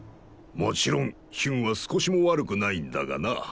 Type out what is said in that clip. もちろんヒュンは少しも悪くないんだがな。